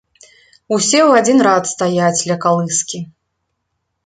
Усе ў адзін рад стаяць ля калыскі.